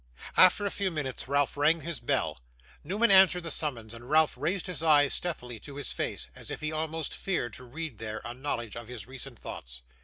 After a few minutes, Ralph rang his bell. Newman answered the summons, and Ralph raised his eyes stealthily to his face, as if he almost feared to read there, a knowledge of his recent thoughts.